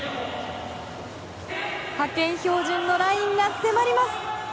派遣標準のラインが迫ります。